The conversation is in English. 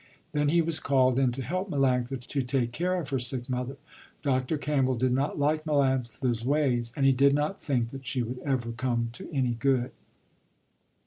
Then he was called in to help Melanctha to take care of her sick mother. Dr. Campbell did not like Melanctha's ways and he did not think that she would ever come to any good.